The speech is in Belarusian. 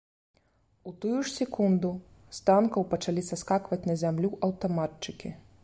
У тую ж секунду з танкаў пачалі саскакваць на зямлю аўтаматчыкі.